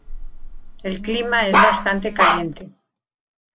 El clima es bastante caliente.